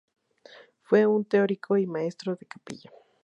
Fue un Teórico y maestro de capilla.